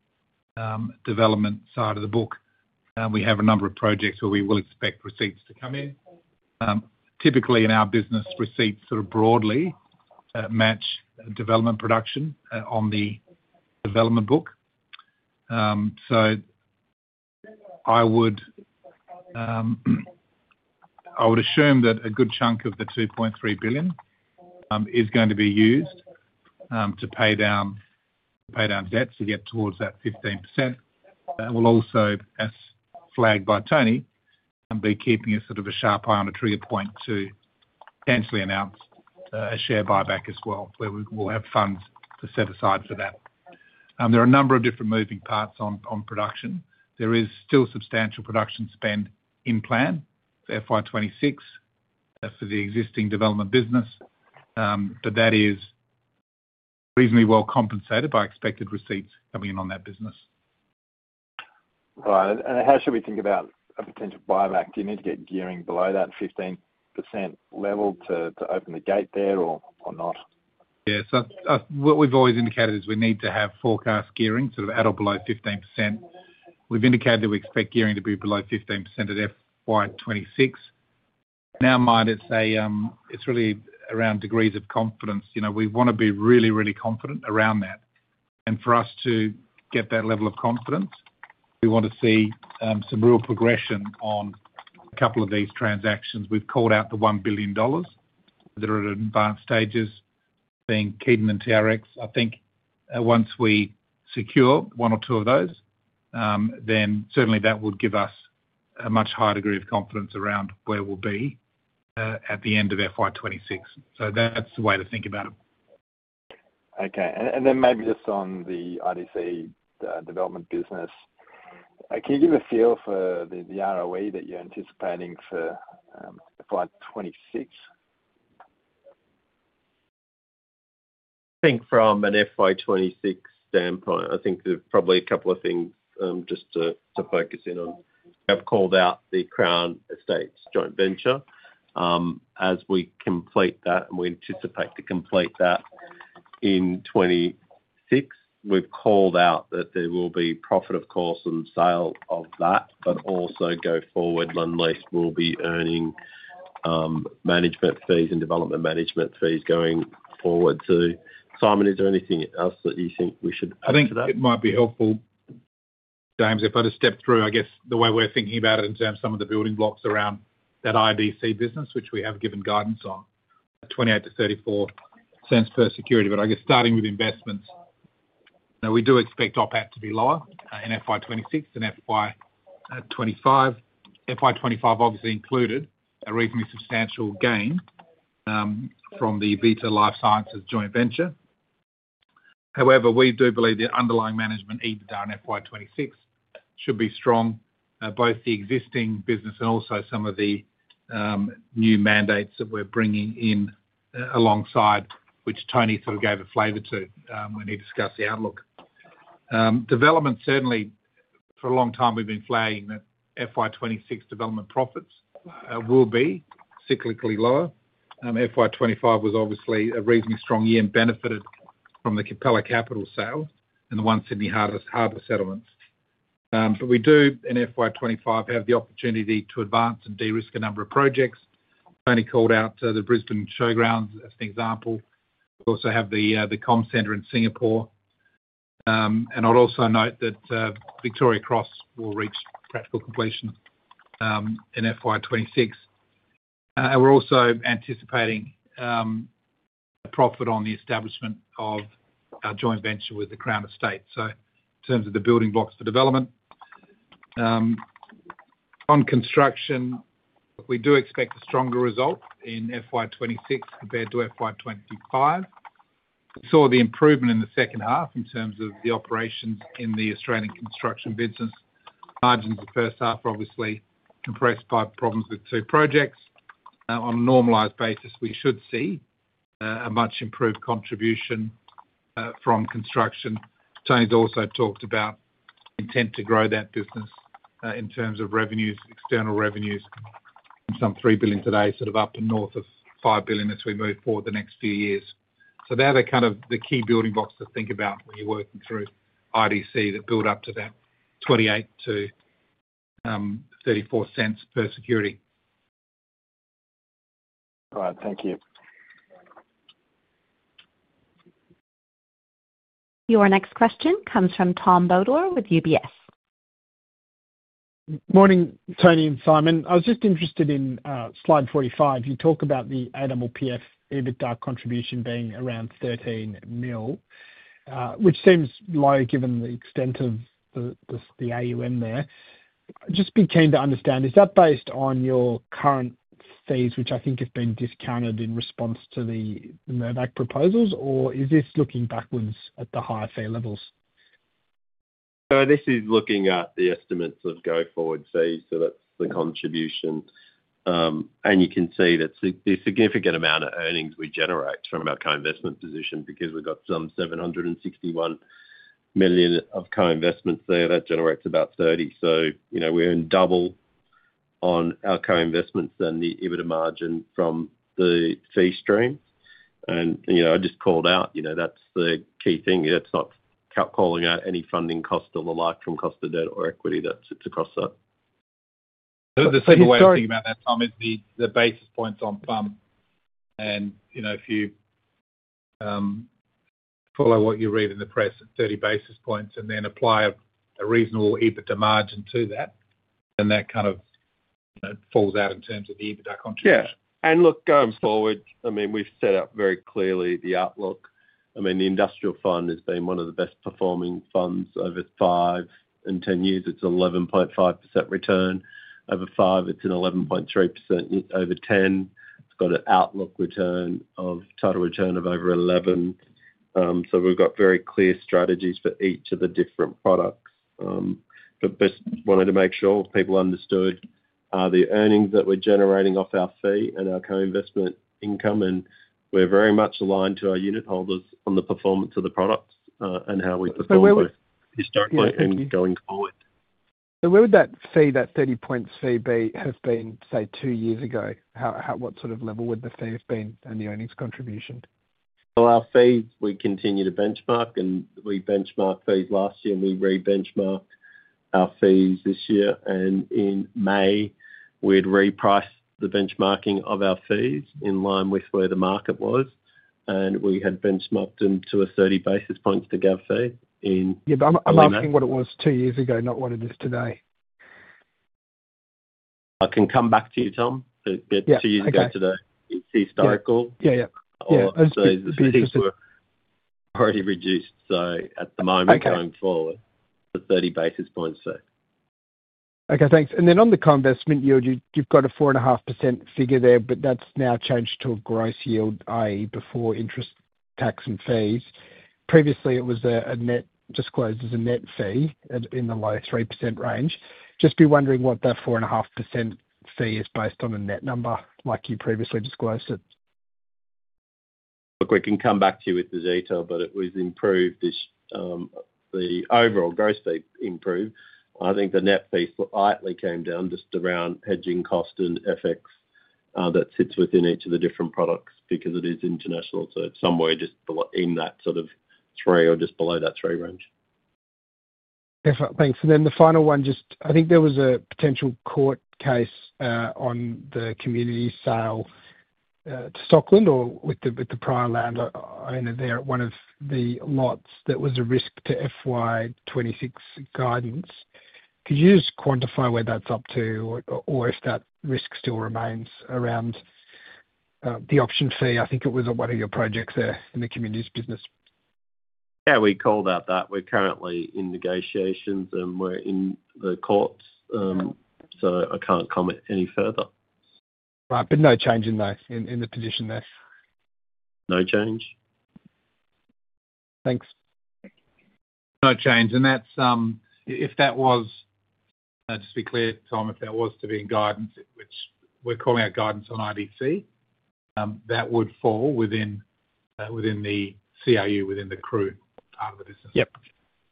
development side of the book, we have a number of projects where we will expect receipts to come in. Typically, in our business, receipts broadly match development production on the development book. I would assume that a good chunk of the 2.3 billion is going to be used to pay down debts to get towards that 15%. We'll also, as flagged by Tony, be keeping a sharp eye on a trigger point to potentially announce a share buyback as well, where we will have funds to set aside for that. There are a number of different moving parts on production. There is still substantial production spend in plan for FY 2026 for the existing development business, but that is reasonably well compensated by expected receipts coming in on that business. Right. How should we think about a potential buyback? Do you need to get gearing below that 15% level to open the gate there or not? Yeah, so what we've always indicated is we need to have forecast gearing sort of at or below 15%. We've indicated that we expect gearing to be below 15% at FY 2026. In our mind, it's really around degrees of confidence. You know, we want to be really, really confident around that. For us to get that level of confidence, we want to see some real progression on a couple of these transactions. We've called out the 1 billion dollars that are at advanced stages, being Keaton and TRX. I think once we secure one or two of those, that would give us a much higher degree of confidence around where we'll be at the end of FY 2026. That's the way to think about it. Okay. Maybe just on the IDC development business, can you give a feel for the ROE that you're anticipating for FY 2026? I think from an FY 2026 standpoint, there's probably a couple of things just to focus in on. I've called out The Crown Estate joint venture. As we complete that, and we anticipate to complete that in 2026, we've called out that there will be profit, of course, on the sale of that, but also going forward, Lendlease will be earning management fees and development management fees going forward. Simon, is there anything else that you think we should? I think it might be helpful, James, if I just step through the way we're thinking about it in terms of some of the building blocks around that IDC business, which we have given guidance on, 0.28-0.34 per security. Starting with investments, we do expect OPAT to be lower in FY 2026 than FY 2025. FY 2025 obviously included a reasonably substantial gain from the V ita Life Sciences joint venture. However, we do believe the underlying management needed on FY 2026 should be strong, both the existing business and also some of the new mandates that we're bringing in alongside, which Tony sort of gave a flavor to when he discussed the outlook. Development, certainly, for a long time, we've been flagging that FY 2026 development profits will be cyclically lower. FY 2025 was obviously a reasonably strong year and benefited from the Capella Capital sale and the One Sydney Harbour settlements. We do, in FY 2025, have the opportunity to advance and de-risk a number of projects. Tony called out the Brisbane showgrounds as an example. We also have the Comm Centre in Singapore. I'd also note that Victoria Cross will reach practical completion in FY 2026. We're also anticipating the profit on the establishment of our joint venture with The Crown Estate. In terms of the building blocks for development, on construction, we do expect a stronger result in FY 2026 compared to FY 2025. We saw the improvement in the second half in terms of the operations in the Australian construction business. Margins of the first half are obviously compressed by problems with two projects. On a normalized basis, we should see a much improved contribution from construction. Tony's also talked about the intent to grow that business in terms of revenues, external revenues, and some 3 billion today, up and north of 5 billion as we move forward the next few years. They're the key building blocks to think about when you're working through IDC that build up to that 0.28-0.34 per security. All right, thank you. Your next question comes from Tom Bodor with UBS. Morning, Tony and Simon. I was just interested in slide 45. You talk about the AWPF EBITDA contribution being around 13 million, which seems low given the extent of the AUM there. I'd just be keen to understand, is that based on your current fees, which I think have been discounted in response to the Mirvac proposals, or is this looking backwards at the higher fee levels? This is looking at the estimates of go forward fees, that's the contribution. You can see that the significant amount of earnings we generate from our co-investment position, because we've got some 761 million of co-investments there, that generates about 30 million. We're in double on our co-investments than the EBITDA margin from the fee stream. I just called out, that's the key thing. That's not calling out any funding costs or the like from cost of debt or equity that sits across that. The simple way of thinking about that, Tom, is the basis points on funds. If you follow what you read in the press at 30 basis points and then apply a reasonable EBITDA margin to that, that kind of falls out in terms of the EBITDA contribution. Yeah. Look, going forward, we've set out very clearly the outlook. The industrial fund has been one of the best performing funds over 5 and 10 years. It's an 11.5% return. Over 5, it's an 11.3%. Over 10, it's got an outlook return of total return of over 11%. We've got very clear strategies for each of the different products. I just wanted to make sure people understood the earnings that we're generating off our fee and our co-investment income, and we're very much aligned to our unit holders on the performance of the products and how we perform historically and going forward. Where would that fee, that 30-point fee, have been, say, two years ago? What sort of level would the fee have been and the earnings contribution? Our fees, we continue to benchmark, and we benchmarked fees last year, and we re-benchmarked our fees this year. In May, we'd reprice the benchmarking of our fees in line with where the market was. We had benchmarked them to a 30 basis points to go fee in. Yeah, I'm asking what it was two years ago, not what it is today. I can come back to you, Tom, to get two years ago today. It's historical. Yeah, the basis were already reduced. At the moment, going forward, the 30 basis points are there. Okay, thanks. On the co-investment yield, you've got a 4.5% figure there, but that's now changed to a gross yield, i.e., before interest, tax, and fees. Previously, it was disclosed as a net fee in the low 3% range. Just wondering what that 4.5% fee is based on as a net number like you previously disclosed it. Look, we can come back to you with the data, but it was improved. The overall gross fee improved. I think the net fee slightly came down just around hedging cost and FX that sits within each of the different products because it is international. It's somewhere just in that sort of three or just below that three range. Perfect. Thanks. The final one, I think there was a potential court case on the community sale to Stockland or with the prior landowner there at one of the lots that was a risk to FY 2026 guidance. Could you just quantify where that's up to or if that risk still remains around the option fee? I think it was one of your projects there in the communities business. Yeah, we called out that we're currently in negotiations, and we're in the court. I can't comment any further. Right, no change in the position there. No change. Thanks. No change. If that was, just to be clear, Tom, if that was to be in guidance, which we're calling out guidance on IDC, that would fall within the CRU, within the CRU part of the business. Yep.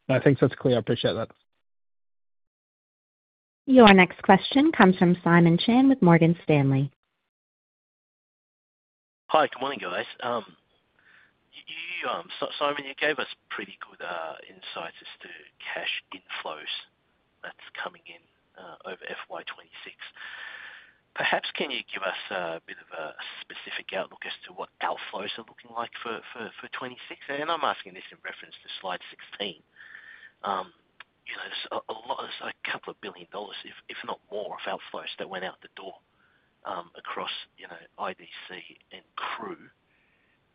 No, thanks. That's clear. I appreciate that. Your next question comes from Simon Chan with Morgan Stanley. Hi, good morning, guys. Simon, you gave us pretty good insights as to cash inflows that's coming in over FY 2026. Perhaps can you give us a bit of a specific outlook as to what outflows are looking like for 2026? I'm asking this in reference to slide 16. There's a couple of billion dollars, if not more, of outflows that went out the door across, you know, IDC and CRU.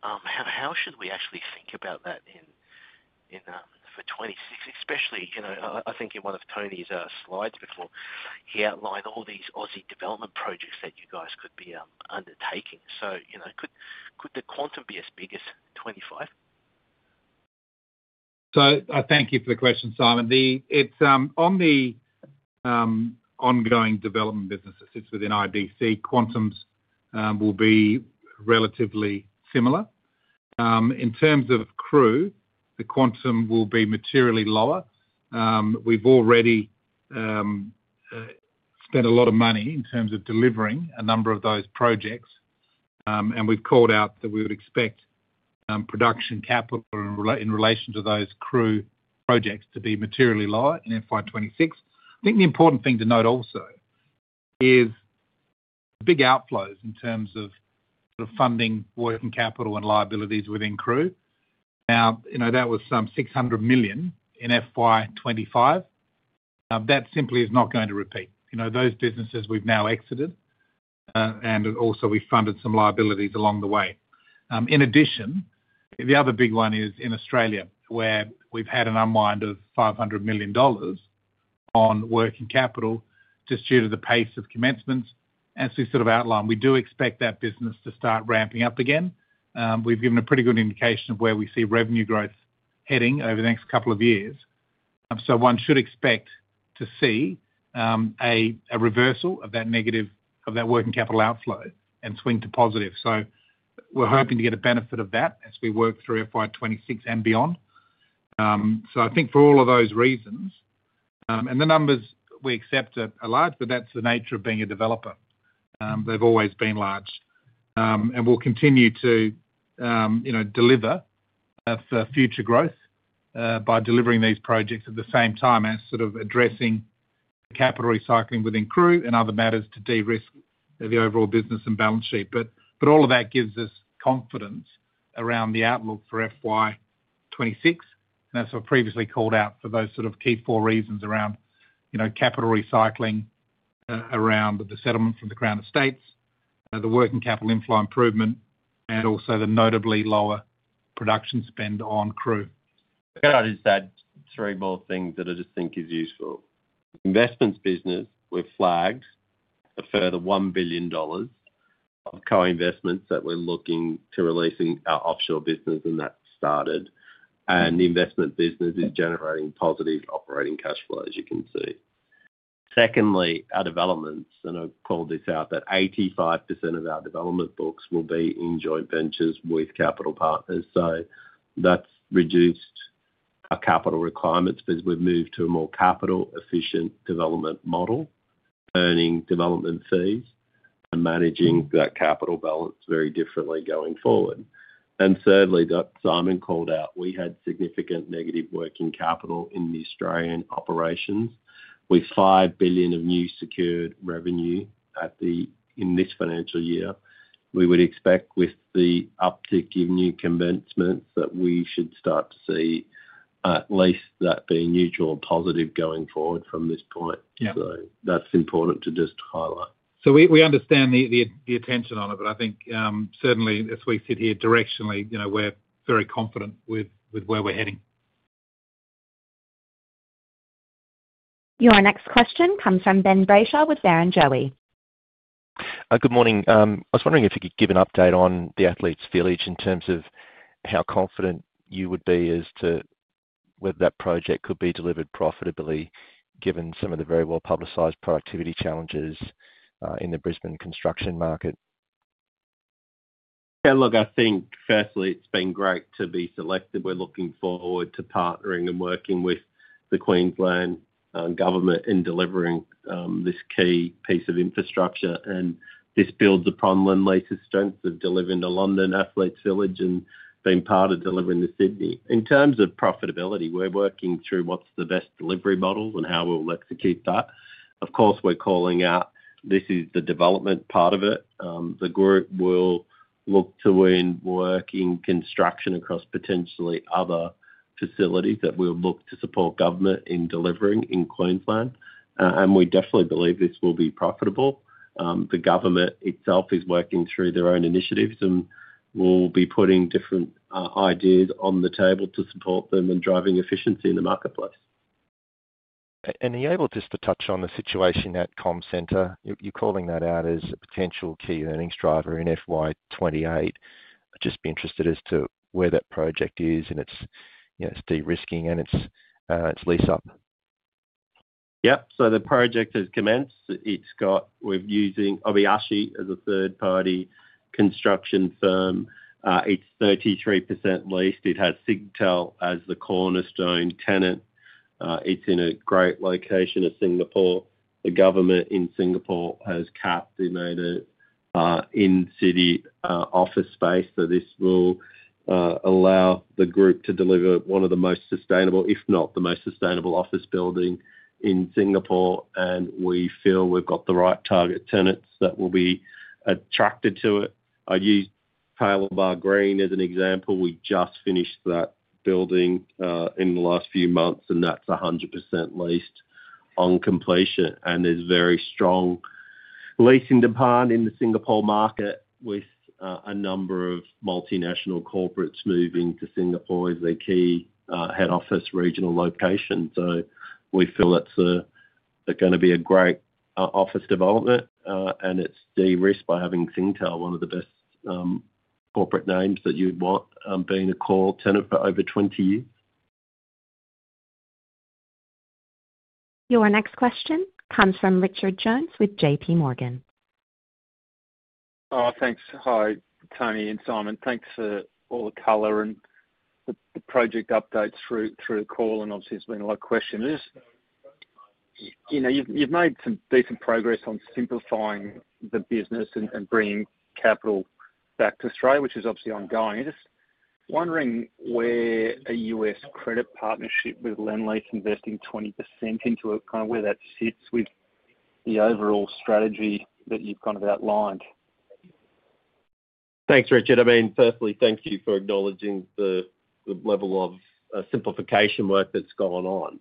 How should we actually think about that in for 2026, especially, I think in one of Tony's slides before he outlined all these Aussie development projects that you guys could be undertaking. Could the quantum be as big as 2025? Thank you for the question, Simon. It's on the ongoing development business that sits within IDC. Quantums will be relatively similar. In terms of CRU, the quantum will be materially lower. We've already spent a lot of money in terms of delivering a number of those projects. We've called out that we would expect production capital in relation to those CRU projects to be materially lower in FY 2026. I think the important thing to note also is big outflows in terms of funding, working capital, and liabilities within CRU. That was some 600 million in FY 2025. That simply is not going to repeat. Those businesses we've now exited and also we've funded some liabilities along the way. In addition, the other big one is in Australia, where we've had an unwind of 500 million dollars on working capital just due to the pace of commencements. As we outlined, we do expect that business to start ramping up again. We've given a pretty good indication of where we see revenue growth heading over the next couple of years. One should expect to see a reversal of that negative, of that working capital outflow, and swing to positive. We're hoping to get a benefit of that as we work through FY 2026 and beyond. For all of those reasons, and the numbers we accept are large, but that's the nature of being a developer. They've always been large. We'll continue to deliver for future growth by delivering these projects at the same time as addressing the capital recycling within CRU and other matters to de-risk the overall business and balance sheet. All of that gives us confidence around the outlook for FY 2026. As I previously called out, for those key four reasons around capital recycling, around the settlement from The Crown Estate, the working capital inflow improvement, and also the notably lower production spend on CRU. Can I just add three more things that I just think is useful? Investments business, we've flagged a further 1 billion dollars of co-investments that we're looking to release in our offshore business, and that's started. The investment business is generating positive operating cash flow, as you can see. Secondly, our developments, and I called this out, that 85% of our development books will be in joint ventures with capital partners. That's reduced our capital requirements because we've moved to a more capital-efficient development model, earning development fees and managing that capital balance very differently going forward. Thirdly, that Simon called out, we had significant negative working capital in the Australian operations. With 5 billion of new secured revenue in this financial year, we would expect with the uptick in new commencement that we should start to see at least that being neutral or positive going forward from this point. That's important to just highlight. We understand the attention on it, but I think certainly as we sit here directionally, you know, we're very confident with where we're heading. Your next question comes from Ben Brayshaw with Berrenjoey. Good morning. I was wondering if you could give an update on the Athletes Village in terms of how confident you would be as to whether that project could be delivered profitably, given some of the very well-publicized productivity challenges in the Brisbane construction market. Yeah, look, I think firstly, it's been great to be selected. We're looking forward to partnering and working with the Queensland government in delivering this key piece of infrastructure. This builds upon Lendlease's strength of delivering the London Athletes Village and being part of delivering the Sydney. In terms of profitability, we're working through what's the best delivery model and how we'll execute that. Of course, we're calling out this is the development part of it. The group will look to win work in construction across potentially other facilities that we'll look to support government in delivering in Queensland. We definitely believe this will be profitable. The government itself is working through their own initiatives and will be putting different ideas on the table to support them and driving efficiency in the marketplace. Are you able just to touch on the situation at Comm Centre? You're calling that out as a potential key earnings driver in FY 2028. I'd just be interested as to where that project is and its de-risking and its lease up. Yeah, so the project has commenced. It's got, we're using Obayashi as a third-party construction firm. It's 33% leased. It has Singtel as the cornerstone tenant. It's in a great location in Singapore. The government in Singapore has capped the amount of in-city office space, but this will allow the group to deliver one of the most sustainable, if not the most sustainable, office buildings in Singapore. We feel we've got the right target tenants that will be attracted to it. I'll use Paya Lebar Green as an example. We just finished that building in the last few months, and that's 100% leased on completion. There's very strong leasing demand in the Singapore market with a number of multinational corporates moving to Singapore as their key head office regional location. We feel that's going to be a great office development and it's de-risked by having Singtel, one of the best corporate names that you'd want, being a core tenant for over 20 years. Your next question comes from Richard Jones with JP Morgan. Oh, thanks. Hi, Tony and Simon. Thanks for all the color and the project updates through the call. Obviously, there's been a lot of questions. You've made some decent progress on simplifying the. Bringing capital back to Australia, which is obviously ongoing. I'm just wondering where a U.S. credit partnership with Lendlease investing 20% into it, kind of where that sits with the overall strategy that you've kind of outlined. Thanks, Richard. Firstly, thank you for acknowledging the level of simplification work that's gone on,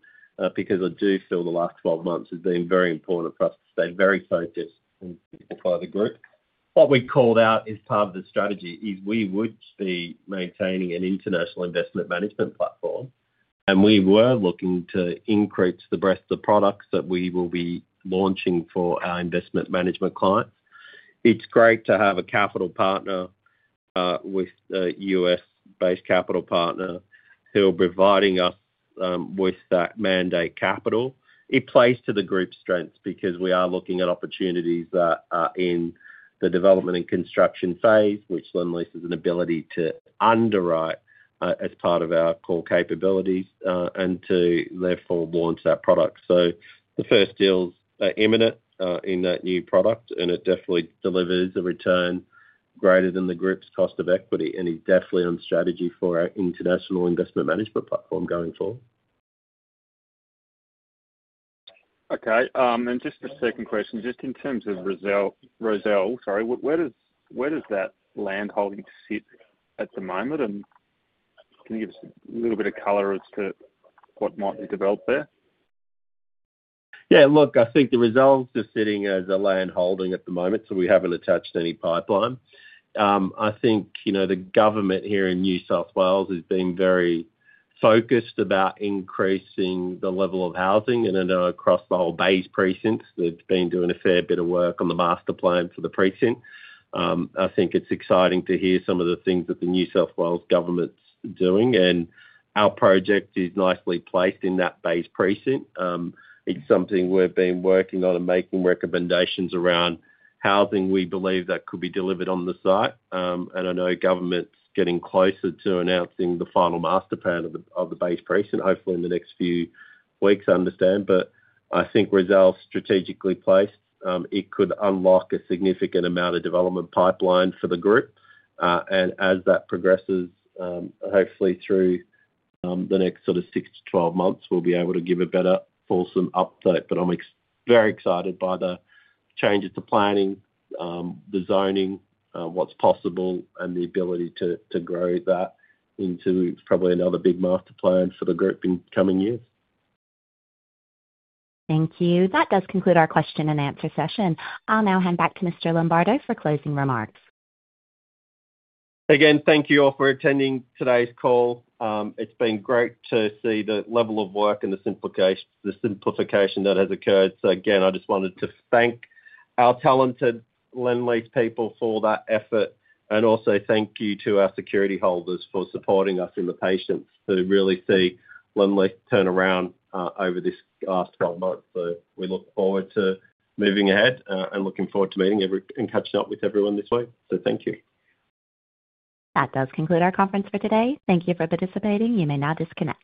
because I do feel the last 12 months has been very important for us to stay very focused and simplify the group. What we called out as part of the strategy is we would be maintaining an international investment management platform, and we were looking to increase the breadth of products that we will be launching for our investment management client. It's great to have a capital partner, with a U.S.-based capital partner who are providing us with that mandate capital. It plays to the group's strengths because we are looking at opportunities that are in the development and construction phase, which Lendlease has an ability to underwrite as part of our core capabilities, and to therefore launch that product. The first deal is imminent in that new product, and it definitely delivers a return greater than the group's cost of equity and is definitely on strategy for our international investment management platform going forward. Okay, just the second question, in terms of Rozelle, sorry, where does that land holding sit at the moment? Can you give us a little bit of color as to what might be developed there? Yeah, look, I think the Rozelle is just sitting as a land holding at the moment, so we haven't attached any pipeline. I think the government here in New South Wales has been very focused about increasing the level of housing, and I know across the whole Bays Precinct, they've been doing a fair bit of work on the master plan for the precinct. I think it's exciting to hear some of the things that the New South Wales government's doing, and our project is nicely placed in that Bays Precinct. It's something we've been working on and making recommendations around housing we believe that could be delivered on the site. I know government's getting closer to announcing the final master plan of the Bays Precinct, hopefully in the next few weeks, I understand. I think Rozelle's strategically placed, it could unlock a significant amount of development pipeline for the group. As that progresses, hopefully through the next sort of 6 to 12 months, we'll be able to give a better fulsome update. I'm very excited by the changes to planning, the zoning, what's possible, and the ability to grow that into probably another big master plan for the group in the coming year. Thank you. That does conclude our question and answer session. I'll now hand back to Mr. Lombardo for closing remarks. Again, thank you all for attending today's call. It's been great to see the level of work and the simplification that has occurred. I just wanted to thank our talented Lendlease people for that effort. Also, thank you to our security holders for supporting us in the patience to really see Lendlease turn around over this last 12 months. We look forward to moving ahead and meeting everyone and catching up with everyone this week. Thank you. That does conclude our conference for today. Thank you for participating. You may now disconnect.